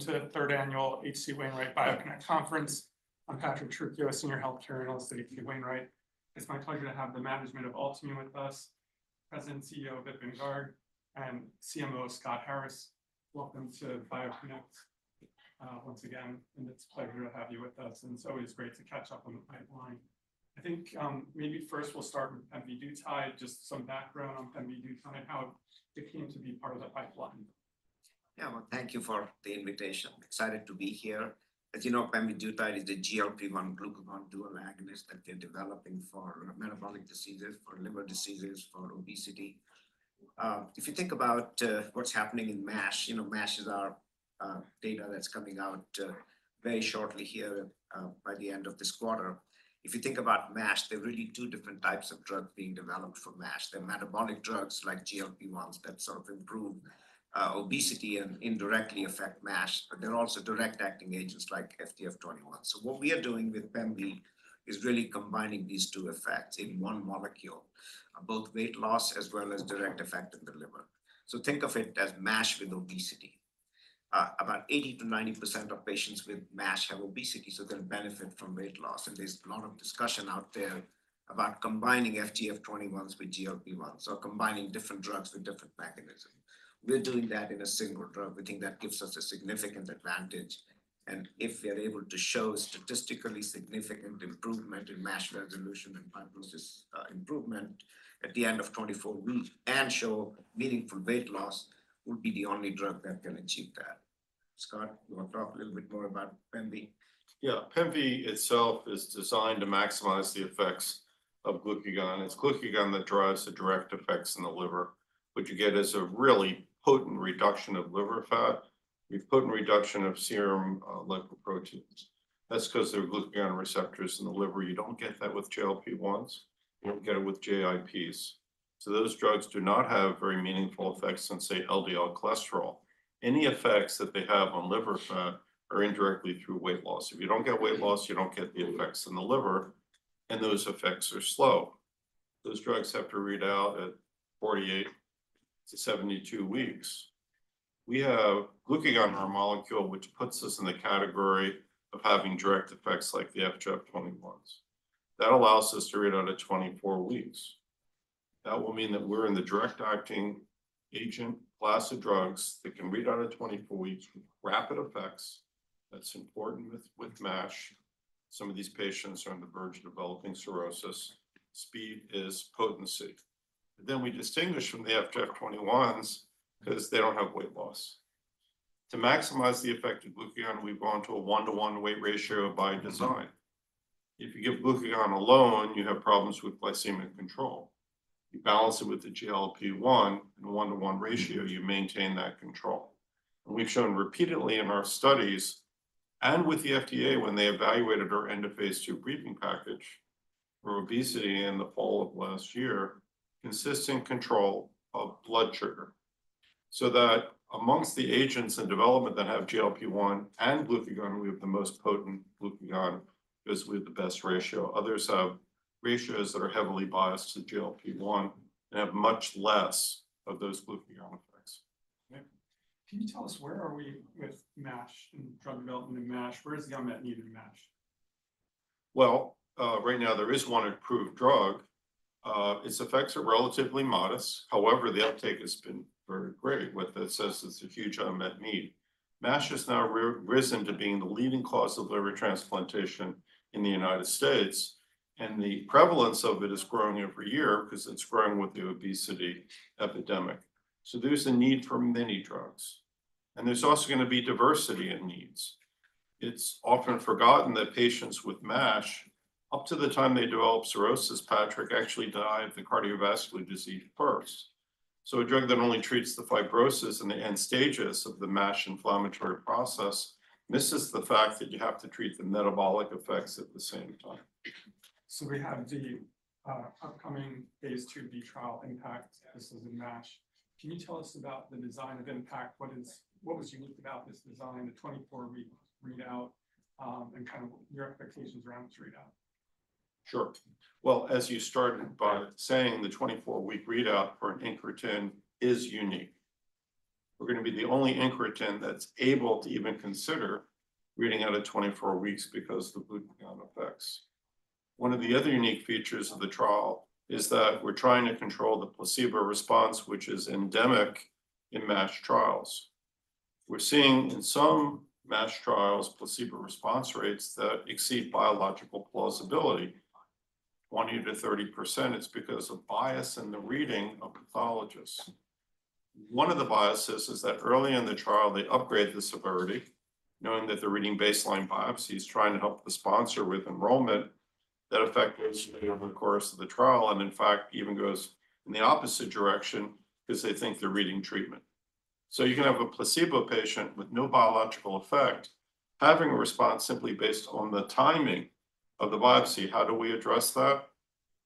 To the third annual H.C. Wainwright BioConnect Conference. I'm Patrick Trujillo, Senior Healthcare Analyst at H.C. Wainwright. It's my pleasure to have the management of Altimmune with us, President and CEO Vipin Garg, and CMO Scott Harris. Welcome to BioConnect once again, and it's a pleasure to have you with us, and it's always great to catch up on the pipeline. I think maybe first we'll start with pemvidutide, just some background on pemvidutide and how it came to be part of the pipeline. Yeah, thank you for the invitation. Excited to be here. As you know, pemvidutide is the GLP-1/glucagon dual agonist that they're developing for metabolic diseases, for liver diseases, for obesity. If you think about what's happening in MASH, you know, MASH is our data that's coming out very shortly here by the end of this quarter. If you think about MASH, there are really two different types of drugs being developed for MASH. There are metabolic drugs like GLP-1s that sort of improve obesity and indirectly affect MASH, but there are also direct-acting agents like FGF21. What we are doing with pemvi is really combining these two effects in one molecule, both weight loss as well as direct effect in the liver. Think of it as MASH with obesity. About 80%-90% of patients with MASH have obesity, so they'll benefit from weight loss, and there's a lot of discussion out there about combining FGF21s with GLP-1s or combining different drugs with different mechanisms. We're doing that in a single drug. We think that gives us a significant advantage, and if we are able to show statistically significant improvement in MASH resolution and fibrosis improvement at the end of 24 weeks and show meaningful weight loss, we'll be the only drug that can achieve that. Scott, you want to talk a little bit more about pemvi? Yeah, pemvi itself is designed to maximize the effects of glucagon. It's glucagon that drives the direct effects in the liver. What you get is a really potent reduction of liver fat, a potent reduction of serum lipoproteins. That's because there are glucagon receptors in the liver. You don't get that with GLP-1s. You don't get it with GIPs. So those drugs do not have very meaningful effects on, say, LDL cholesterol. Any effects that they have on liver fat are indirectly through weight loss. If you don't get weight loss, you don't get the effects in the liver, and those effects are slow. Those drugs have to read out at 48 weeks-72 weeks. We have glucagon in our molecule, which puts us in the category of having direct effects like the FGF21s. That allows us to read out at 24 weeks. That will mean that we're in the direct-acting agent class of drugs that can read out at 24 weeks with rapid effects. That's important with MASH. Some of these patients are on the verge of developing cirrhosis. Speed is potency. We distinguish from the FGF21s because they don't have weight loss. To maximize the effect of glucagon, we go on to a one-to-one weight ratio by design. If you give glucagon alone, you have problems with glycemic control. You balance it with the GLP-1, and a 1:1 ratio, you maintain that control. We've shown repeatedly in our studies and with the FDA when they evaluated our End of Phase II Briefing Package for obesity in the fall of last year consistent control of blood sugar. Amongst the agents in development that have GLP-1 and glucagon, we have the most potent glucagon because we have the best ratio. Others have ratios that are heavily biased to the GLP-1 and have much less of those glucagon effects. Can you tell us where are we with MASH and drug development in MASH? Where is the unmet need in MASH? Right now there is one approved drug. Its effects are relatively modest. However, the uptake has been very great, which says it's a huge unmet need. MASH has now risen to being the leading cause of liver transplantation in the United States, and the prevalence of it is growing every year because it's growing with the obesity epidemic. There is a need for many drugs, and there is also going to be diversity in needs. It's often forgotten that patients with MASH, up to the time they develop cirrhosis, Patrick, actually die of the cardiovascular disease first. A drug that only treats the fibrosis and the end stages of the MASH inflammatory process misses the fact that you have to treat the metabolic effects at the same time. We have the upcoming phase II-B trial IMPACT. This is in MASH. Can you tell us about the design of IMPACT? What was unique about this design, the 24-week readout, and kind of your expectations around its readout? Sure. As you started by saying, the 24-week readout for an incretin is unique. We're going to be the only incretin that's able to even consider reading out at 24 weeks because of the glucagon effects. One of the other unique features of the trial is that we're trying to control the placebo response, which is endemic in MASH trials. We're seeing in some MASH trials placebo response rates that exceed biological plausibility, 20%-30%. It's because of bias in the reading of pathologists. One of the biases is that early in the trial, they upgrade the severity, knowing that they're reading baseline biopsies, trying to help the sponsor with enrollment. That effect goes over the course of the trial and, in fact, even goes in the opposite direction because they think they're reading treatment. You can have a placebo patient with no biological effect having a response simply based on the timing of the biopsy. How do we address that?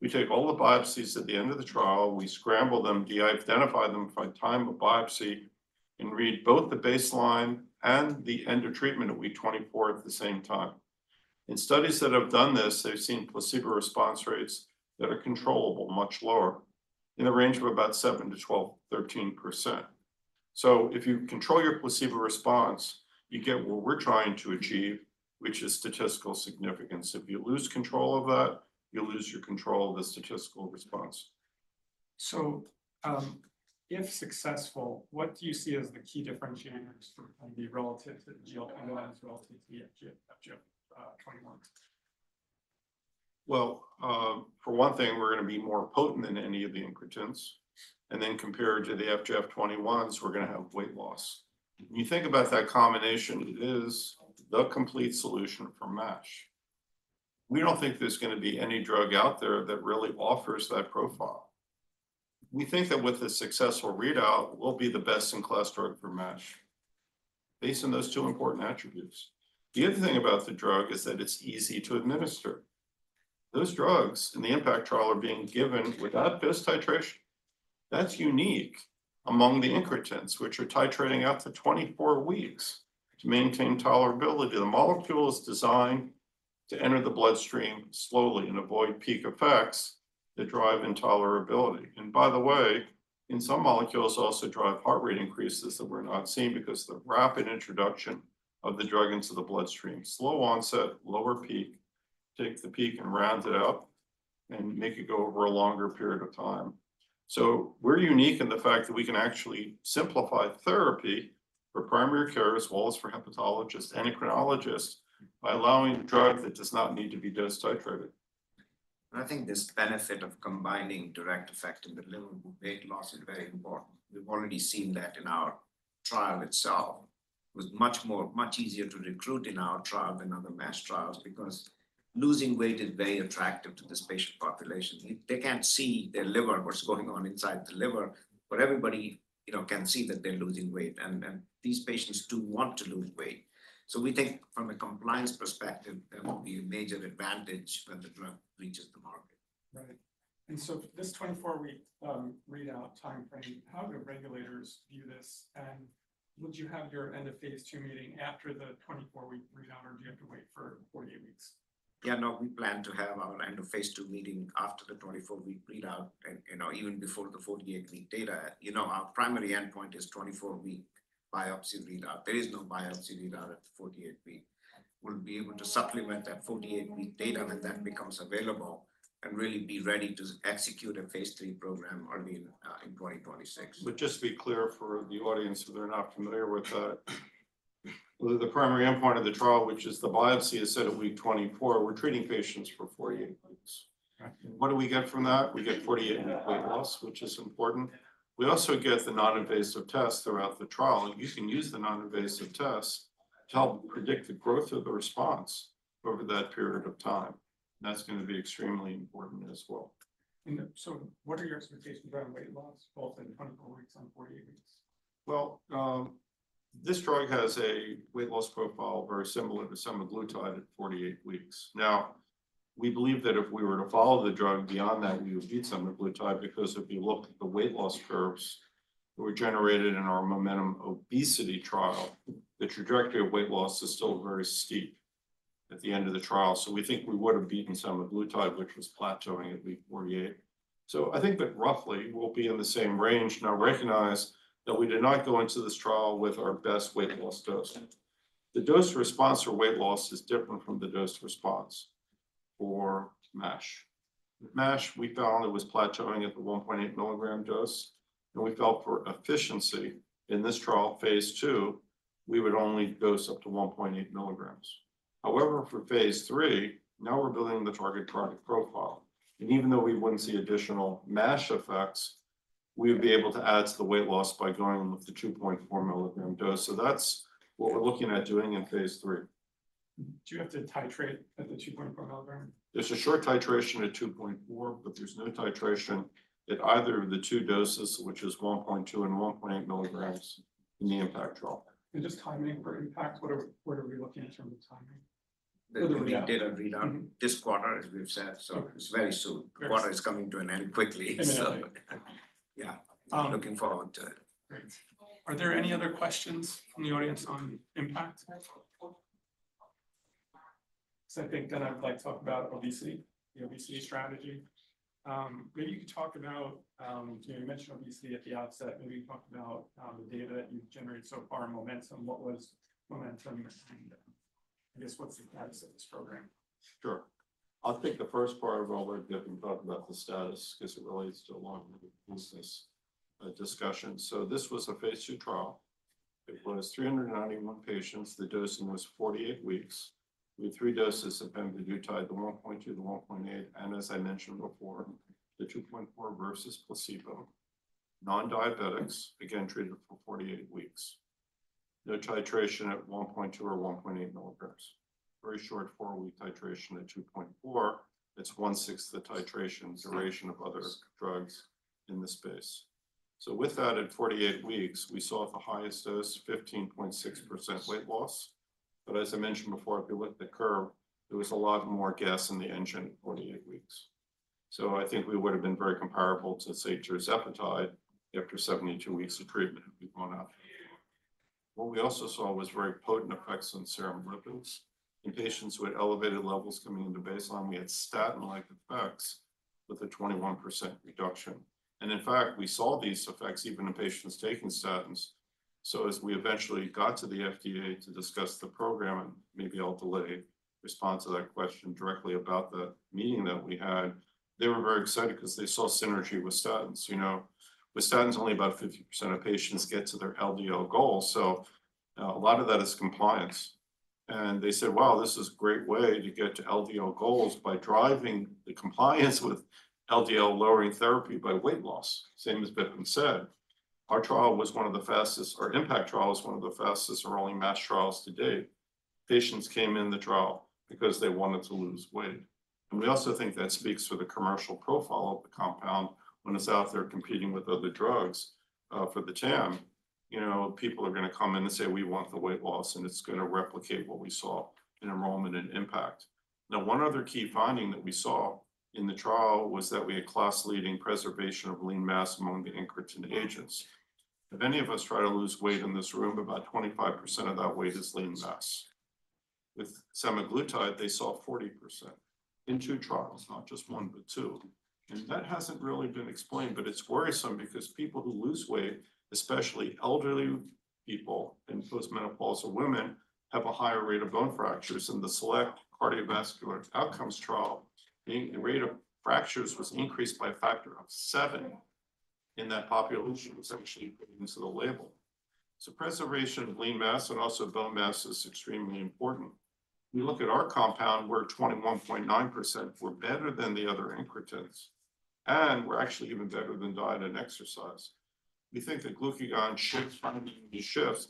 We take all the biopsies at the end of the trial. We scramble them, de-identify them by time of biopsy, and read both the baseline and the end of treatment at week 24 at the same time. In studies that have done this, they've seen placebo response rates that are controllable, much lower in the range of about 7%-12%, 13%. If you control your placebo response, you get what we're trying to achieve, which is statistical significance. If you lose control of that, you lose your control of the statistical response. If successful, what do you see as the key differentiators for pemvi relative to the GLP-1s, relative to the FGF21s? For one thing, we're going to be more potent than any of the incretins. Then compared to the FGF21s, we're going to have weight loss. When you think about that combination, it is the complete solution for MASH. We don't think there's going to be any drug out there that really offers that profile. We think that with a successful readout, we'll be the best-in-class drug for MASH based on those two important attributes. The other thing about the drug is that it's easy to administer. Those drugs in the IMPACT trial are being given without dose titration. That's unique among the incretins, which are titrating out to 24 weeks to maintain tolerability. The molecule is designed to enter the bloodstream slowly and avoid peak effects that drive intolerability. By the way, in some molecules, also drive heart rate increases that we're not seeing because of the rapid introduction of the drug into the bloodstream. Slow onset, lower peak, take the peak and round it up and make it go over a longer period of time. We are unique in the fact that we can actually simplify therapy for primary care as well as for hepatologists and endocrinologists by allowing a drug that does not need to be dose titrated. I think this benefit of combining direct effect in the liver with weight loss is very important. We've already seen that in our trial itself. It was much easier to recruit in our trial than other MASH trials because losing weight is very attractive to this patient population. They can't see their liver, what's going on inside the liver, but everybody can see that they're losing weight, and these patients do want to lose weight. We think from a compliance perspective, there will be a major advantage when the drug reaches the market. Right. And so this 24-week readout timeframe, how do regulators view this? And would you have your End of Phase II meeting after the 24-week readout, or do you have to wait for 48 weeks? Yeah, no, we plan to have our End of Phase II meeting after the 24-week readout and even before the 48-week data. You know, our primary endpoint is 24-week biopsy readout. There is no biopsy readout at the 48-week. We'll be able to supplement that 48-week data when that becomes available and really be ready to execute a phase III program early in 2026. Just to be clear for the audience who are not familiar with, the primary endpoint of the trial, which is the biopsy, is set at week 24. We're treating patients for 48 weeks. What do we get from that? We get 48-week weight loss, which is important. We also get the non-invasive test throughout the trial. You can use the non-invasive test to help predict the growth of the response over that period of time. That's going to be extremely important as well. What are your expectations around weight loss, both in 24 weeks and 48 weeks? This drug has a weight loss profile very similar to semaglutide at 48 weeks. Now, we believe that if we were to follow the drug beyond that, we would beat semaglutide because if you look at the weight loss curves that were generated in our MOMENTUM obesity trial, the trajectory of weight loss is still very steep at the end of the trial. We think we would have beaten semaglutide, which was plateauing at week 48. I think that roughly we'll be in the same range. Now, recognize that we did not go into this trial with our best weight loss dose. The dose-response for weight loss is different from the dose-response for MASH. With MASH, we found it was plateauing at the 1.8 mg dose, and we felt for efficiency in this trial, phase II, we would only dose up to 1.8 mg. However, for phase III, now we're building the target chronic profile. Even though we wouldn't see additional MASH effects, we would be able to add to the weight loss by going with the 2.4 mg dose. That's what we're looking at doing in phase III. Do you have to titrate at the 2.4 mg? There's a short titration at 2.4 mg, but there's no titration at either of the two doses, which is 1.2 mg and 1.8 mg in the IMPACT trial. Just timing for IMPACT, what are we looking at in terms of timing? We need data readout this quarter, as we've said, so it's very soon. The quarter is coming to an end quickly, so yeah, looking forward to it. Are there any other questions from the audience on IMPACT? I think then I'd like to talk about obesity, the obesity strategy. Maybe you could talk about, you mentioned obesity at the outset. Maybe you can talk about the data that you've generated so far, MOMENTUM, what was MOMENTUM, and I guess what's the status of this program? Sure. I'll take the first part of all that, and we can talk about the status because it relates to a long-term business discussion. This was a phase II trial. It was 391 patients. The dosing was 48 weeks. We had three doses of pemvidutide, the 1.2 mg, the 1.8 mg, and as I mentioned before, the 2.4 mg versus placebo. Non-diabetics, again, treated for 48 weeks. No titration at 1.2 mg or 1.8 mg. Very short four-week titration at 2.4 mg. It's 1/6 the titration duration of other drugs in this space. At 48 weeks, we saw the highest dose, 15.6% weight loss. As I mentioned before, if you look at the curve, there was a lot more gas in the engine at 48 weeks. I think we would have been very comparable to, say, tirzepatide after 72 weeks of treatment if we'd gone out. What we also saw was very potent effects on serum lipids. In patients who had elevated levels coming into baseline, we had statin-like effects with a 21% reduction. In fact, we saw these effects even in patients taking statins. As we eventually got to the FDA to discuss the program, and maybe I'll delay response to that question directly about the meeting that we had, they were very excited because they saw synergy with statins. You know, with statins, only about 50% of patients get to their LDL goal. A lot of that is compliance. They said, "Wow, this is a great way to get to LDL goals by driving the compliance with LDL-lowering therapy by weight loss," same as Vipin said. Our trial was one of the fastest, or IMPACT trial was one of the fastest or only MASH trials to date. Patients came in the trial because they wanted to lose weight. We also think that speaks to the commercial profile of the compound when it is out there competing with other drugs. For the TAM, you know, people are going to come in and say, "We want the weight loss," and it is going to replicate what we saw in enrollment in IMPACT. Now, one other key finding that we saw in the trial was that we had class-leading preservation of lean mass among the incretin agents. If any of us try to lose weight in this room, about 25% of that weight is lean mass. With semaglutide, they saw 40% in two trials, not just one, but two. That has not really been explained, but it is worrisome because people who lose weight, especially elderly people and postmenopausal women, have a higher rate of bone fractures in the Select Cardiovascular Outcomes trial, meaning the rate of fractures was increased by a factor of seven in that population. That was actually put into the label. Preservation of lean mass and also bone mass is extremely important. We look at our compound, we are 21.9%. We are better than the other incretins, and we are actually even better than diet and exercise. We think that glucagon shifts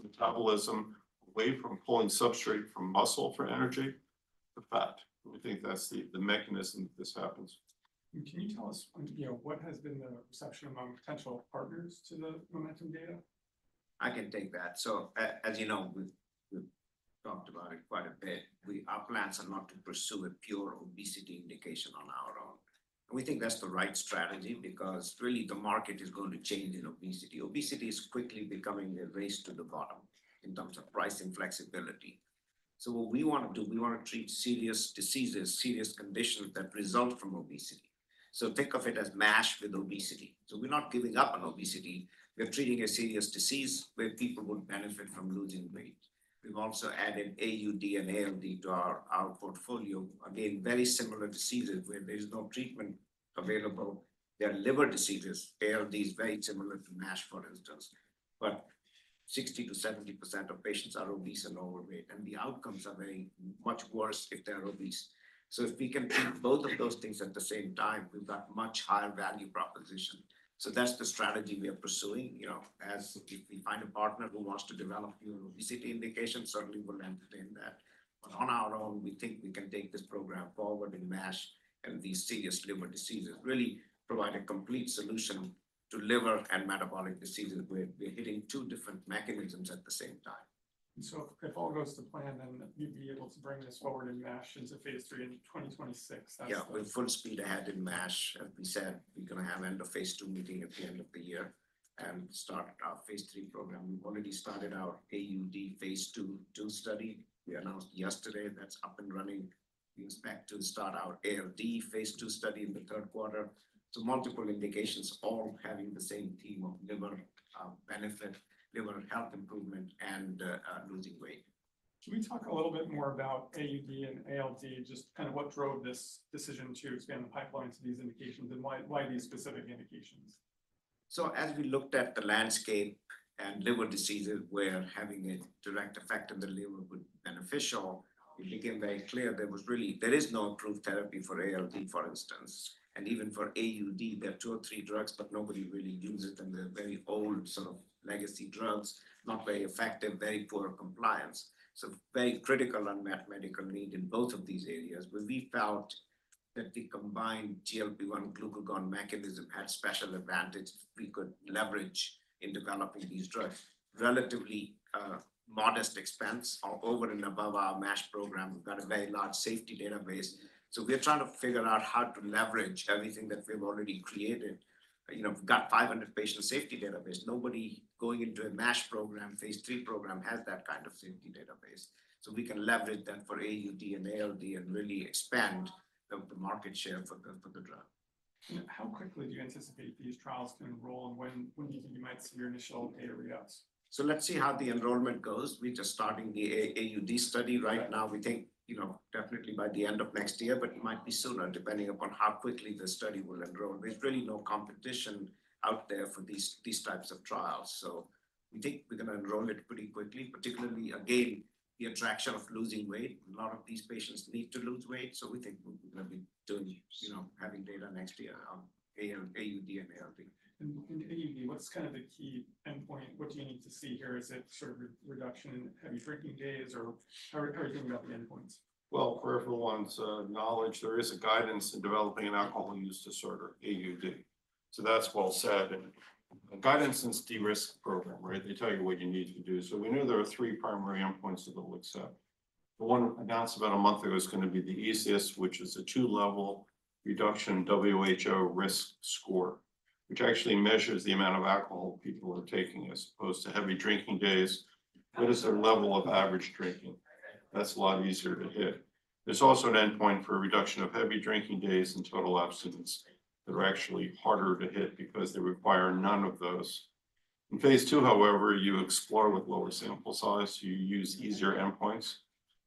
metabolism away from pulling substrate from muscle for energy to fat. We think that is the mechanism that this happens. Can you tell us, you know, what has been the perception among potential partners to the MOMENTUM data? I can take that. As you know, we've talked about it quite a bit. Our plans are not to pursue a pure obesity indication on our own. We think that's the right strategy because really the market is going to change in obesity. Obesity is quickly becoming a race to the bottom in terms of price and flexibility. What we want to do, we want to treat serious diseases, serious conditions that result from obesity. Think of it as MASH with obesity. We're not giving up on obesity. We're treating a serious disease where people would benefit from losing weight. We've also added AUD and ALD to our portfolio. Again, very similar diseases where there is no treatment available. They're liver diseases. ALD is very similar to MASH, for instance. 60%-70% of patients are obese and overweight, and the outcomes are very much worse if they're obese. If we can treat both of those things at the same time, we've got a much higher value proposition. That is the strategy we are pursuing. You know, if we find a partner who wants to develop new obesity indications, certainly we'll entertain that. On our own, we think we can take this program forward in MASH and these serious liver diseases, really provide a complete solution to liver and metabolic diseases where we're hitting two different mechanisms at the same time. If all goes to plan, then you'd be able to bring this forward in MASH into phase III in 2026. Yeah, we're full speed ahead in MASH. As we said, we're going to have End of Phase II meeting at the end of the year and start our phase III program. We've already started our AUD phase II study. We announced yesterday that's up and running. We expect to start our ALD phase II study in the third quarter. Multiple indications, all having the same theme of liver benefit, liver health improvement, and losing weight. Can we talk a little bit more about AUD and ALD, just kind of what drove this decision to expand the pipeline to these indications and why these specific indications? As we looked at the landscape in liver diseases where having a direct effect in the liver would be beneficial, it became very clear there is no approved therapy for ALD, for instance. Even for AUD, there are two or three drugs, but nobody really uses them. They're very old sort of legacy drugs, not very effective, very poor compliance. Very critical on that medical need in both of these areas. We felt that the combined GLP-1 glucagon mechanism had special advantages we could leverage in developing these drugs at relatively modest expense over and above our MASH program. We've got a very large safety database. We're trying to figure out how to leverage everything that we've already created. You know, we've got 500 patient safety database. Nobody going into a MASH program, phase III program, has that kind of safety database. We can leverage that for AUD and ALD and really expand the market share for the drug. How quickly do you anticipate these trials to enroll, and when do you think you might see your initial data readouts? Let's see how the enrollment goes. We're just starting the AUD study right now. We think, you know, definitely by the end of next year, but it might be sooner, depending upon how quickly the study will enroll. There's really no competition out there for these types of trials. We think we're going to enroll it pretty quickly, particularly, again, the attraction of losing weight. A lot of these patients need to lose weight. We think we're going to be doing, you know, having data next year on AUD and ALD. AUD, what's kind of the key endpoint? What do you need to see here? Is it sort of reduction in heavy drinking days, or how are you thinking about the endpoints? For everyone's knowledge, there is a guidance in developing an alcohol use disorder, AUD. That is well said. The guidance is the risk program, right? They tell you what you need to do. We know there are three primary endpoints that it will accept. The one announced about a month ago is going to be the easiest, which is a two-level reduction WHO risk score, which actually measures the amount of alcohol people are taking as opposed to heavy drinking days. What is their level of average drinking? That is a lot easier to hit. There is also an endpoint for reduction of heavy drinking days and total abstinence that are actually harder to hit because they require none of those. In phase II, however, you explore with lower sample size. You use easier endpoints.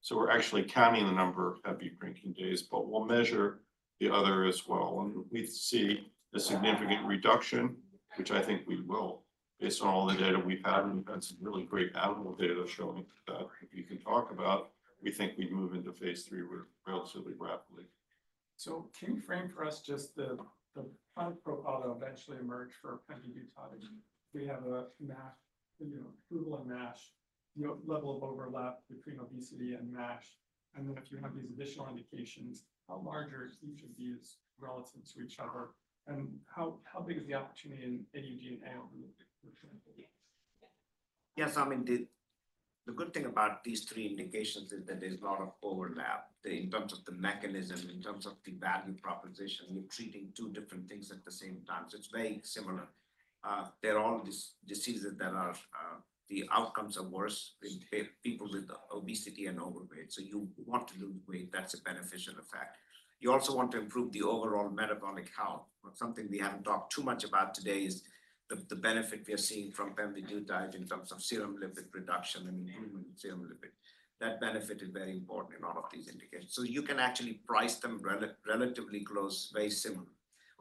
We're actually counting the number of heavy drinking days, but we'll measure the other as well. We see a significant reduction, which I think we will, based on all the data we've had, and we've had some really great animal data showing that we can talk about. We think we'd move into phase III relatively rapidly. Can you frame for us just the final profile that eventually emerged for pemvidutide? We have a MASH, you know, approval and MASH, the level of overlap between obesity and MASH. If you have these additional indications, how large are each of these relative to each other? How big is the opportunity in AUD and ALD, for example? Yeah, so I mean, the good thing about these three indications is that there's a lot of overlap in terms of the mechanism, in terms of the value proposition. You're treating two different things at the same time. It is very similar. They're all diseases that the outcomes are worse in people with obesity and overweight. You want to lose weight. That's a beneficial effect. You also want to improve the overall metabolic health. Something we haven't talked too much about today is the benefit we are seeing from pemvidutide in terms of serum lipid reduction and improvement in serum lipid. That benefit is very important in all of these indications. You can actually price them relatively close, very similar.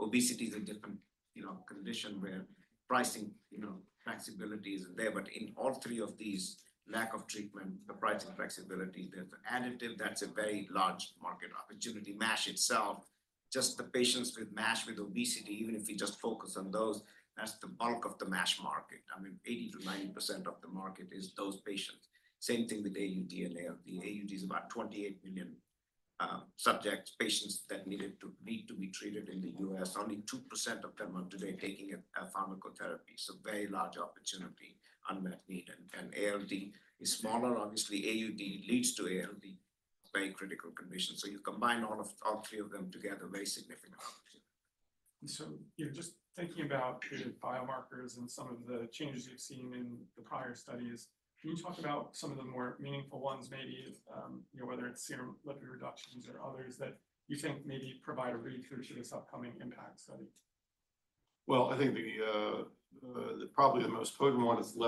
Obesity is a different, you know, condition where pricing, you know, flexibility is there. In all three of these, lack of treatment, the pricing flexibility, there is an additive. That is a very large market opportunity. MASH itself, just the patients with MASH with obesity, even if we just focus on those, that is the bulk of the MASH market. I mean, 80%-90% of the market is those patients. Same thing with AUD and ALD. AUD is about 28 million subjects, patients that need to be treated in the U.S. Only 2% of them are today taking a pharmacotherapy. Very large opportunity, unmet need. ALD is smaller. Obviously, AUD leads to ALD. Very critical condition. You combine all three of them together, very significant opportunity. You're just thinking about the biomarkers and some of the changes you've seen in the prior studies. Can you talk about some of the more meaningful ones, maybe, you know, whether it's serum lipid reductions or others that you think maybe provide a read through to this upcoming IMPACT study? I think probably the most potent one is the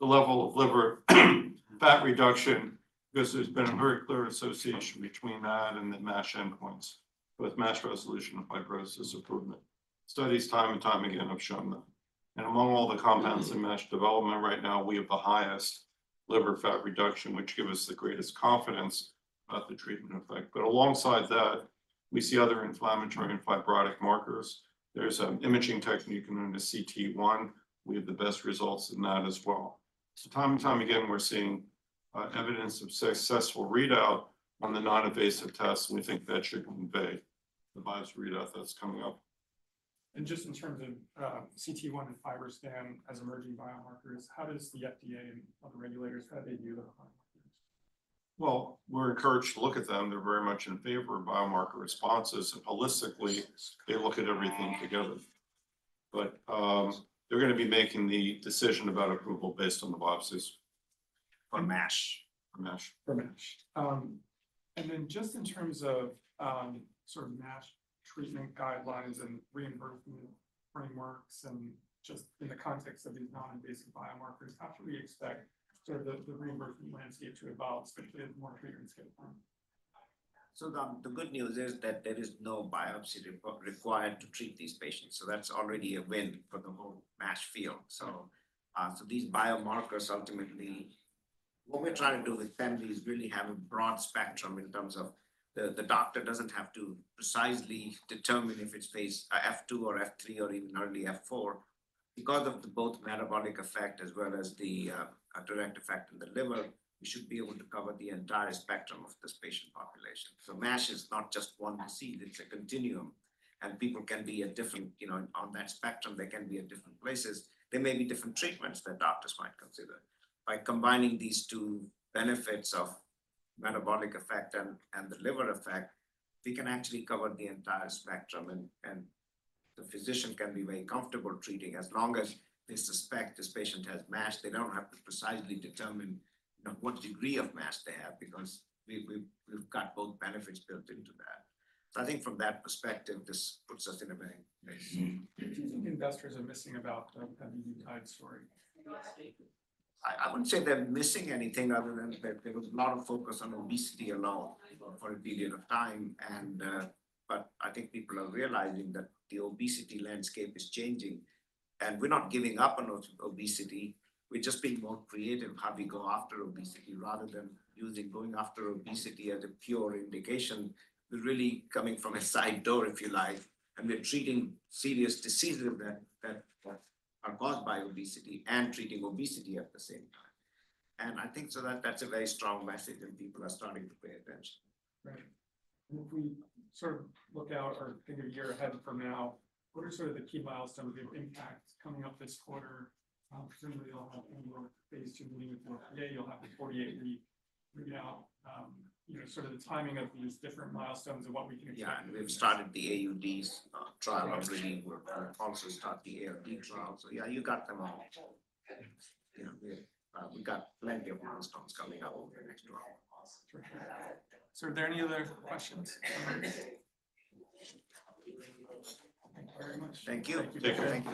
level of liver fat reduction because there's been a very clear association between that and the MASH endpoints, both MASH resolution and fibrosis improvement. Studies, time and time again, have shown that. Among all the compounds in MASH development right now, we have the highest liver fat reduction, which gives us the greatest confidence about the treatment effect. Alongside that, we see other inflammatory and fibrotic markers. There's an imaging technique known as cT1. We have the best results in that as well. Time and time again, we're seeing evidence of successful readout on the non-invasive tests. We think that should convey the MASH readout that's coming up. Just in terms of cT1 and FibroScan as emerging biomarkers, how does the FDA and other regulators, how do they view the biomarkers? We're encouraged to look at them. They're very much in favor of biomarker responses. Holistically, they look at everything together. They're going to be making the decision about approval based on the biopsies. For MASH. For MASH. And then just in terms of sort of MASH treatment guidelines and reimbursement frameworks and just in the context of these non-invasive biomarkers, how should we expect sort of the reimbursement landscape to evolve, especially as more treatments get approved? The good news is that there is no biopsy required to treat these patients. That's already a win for the whole MASH field. These biomarkers ultimately, what we're trying to do with pemvi is really have a broad spectrum in terms of the doctor doesn't have to precisely determine if it's phase F-II or F-III or even early F-IIII. Because of both metabolic effect as well as the direct effect in the liver, we should be able to cover the entire spectrum of this patient population. MASH is not just one disease. It's a continuum. People can be at different, you know, on that spectrum. They can be at different places. There may be different treatments that doctors might consider. By combining these two benefits of metabolic effect and the liver effect, we can actually cover the entire spectrum. The physician can be very comfortable treating as long as they suspect this patient has MASH. They do not have to precisely determine what degree of MASH they have because we have both benefits built into that. I think from that perspective, this puts us in a very good place. Do you think investors are missing about the pemvidutide story? I wouldn't say they're missing anything other than there was a lot of focus on obesity alone for a period of time. I think people are realizing that the obesity landscape is changing. We're not giving up on obesity. We're just being more creative how we go after obesity rather than using going after obesity as a pure indication. We're really coming from a side door, if you like. We're treating serious diseases that are caused by obesity and treating obesity at the same time. I think that's a very strong message and people are starting to pay attention. Right. If we sort of look out or think of a year ahead from now, what are sort of the key milestones of IMPACT coming up this quarter? Presumably, you'll have annual phase II meeting with [Leo]. You'll have the 48-week readout, you know, sort of the timing of these different milestones and what we can expect. Yeah, and we've started the AUD trial already. We've also started the ALD trial. Yeah, you got them all. We've got plenty of milestones coming up over the next two hours. Are there any other questions? Thank you very much. Thank you.